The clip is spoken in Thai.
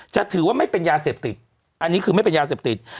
จะถือว่าไม่เป็นยาเสพติดอันนี้คือไม่เป็นยาเสพติด